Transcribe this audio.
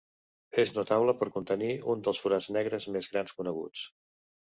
És notable per contenir un dels forats negres més grans coneguts.